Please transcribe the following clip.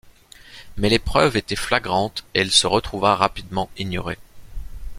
Mais les preuves étaient flagrantes et il se retrouva rapidement ignoré.